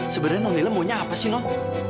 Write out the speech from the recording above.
sebenernya nonila maunya apa sih non